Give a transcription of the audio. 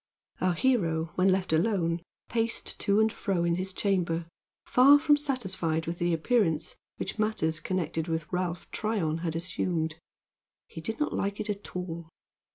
Our hero, when left alone, paced to and fro in his chamber, far from satisfied with the appearance which matters connected with Ralph Tryon had assumed. He did not like it at all.